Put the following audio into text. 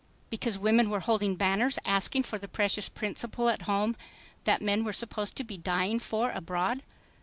Because women were holding banners asking for the precious principle at home that men were supposed to be dying for abroad.